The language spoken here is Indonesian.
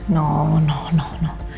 tidak tidak tidak